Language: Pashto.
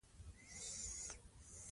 ناروغي لګښت لري.